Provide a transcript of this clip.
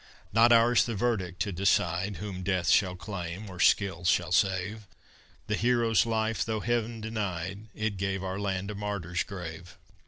Not ours the verdict to decide Whom death shall claim or skill shall save; The hero's life though Heaven denied, It gave our land a martyr's grave.